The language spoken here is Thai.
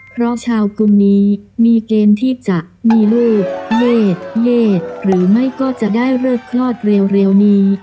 เพราะชาวกลุ่มนี้มีเกณฑ์ที่จะมีลูกเยศเยศหรือไม่ก็จะได้เลิกคลอดเร็วนี้